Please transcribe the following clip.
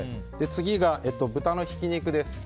次が豚のひき肉です。